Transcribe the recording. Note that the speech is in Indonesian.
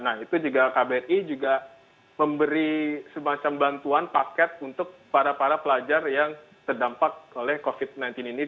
nah itu juga kbri juga memberi semacam bantuan paket untuk para para pelajar yang terdampak oleh covid sembilan belas ini